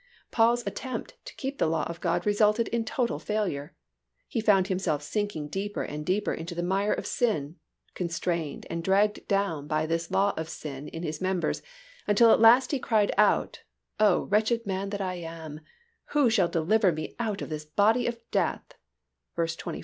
Paul's attempt to keep the law of God resulted in total failure. He found himself sinking deeper and deeper into the mire of sin, constrained and dragged down by this law of sin in his members, until at last he cried out, "Oh, wretched man that I am, who shall deliver me out of the body of this death?"